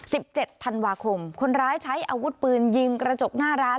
สิบเจ็ดธันวาคมคนร้ายใช้อาวุธปืนยิงกระจกหน้าร้าน